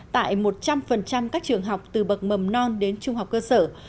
tại một trăm linh các trường học từ bậc mầm non đến trung học cơ sở